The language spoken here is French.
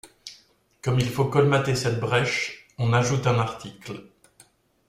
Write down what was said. Comme il faut colmater cette brèche, on ajoute un article.